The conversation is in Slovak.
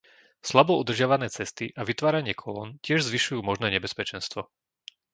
Slabo udržiavané cesty a vytváranie kolón tiež zvyšujú možné nebezpečenstvo.